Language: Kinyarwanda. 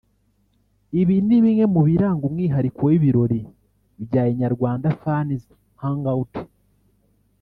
Ibi ni bimwe mu biranga umwihariko w’ibirori bya Inyarwanda Fans Hangout